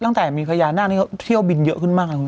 หลังจากมีพญานาคนะเขาเที่ยวบินเยอะขึ้นมาก